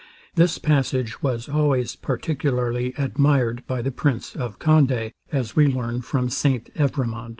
This passage was always particularly admired by the prince of Conde, as we learn from St Evremond.